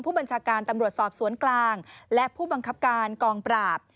ผู้บัญชาการตำรวจสอบสวนกลางและผู้บังคับการกองปราบ